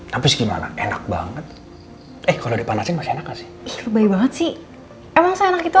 hai tapi gimana enak banget eh kalau dipanaskan masih enak sih baik banget sih emang saya itu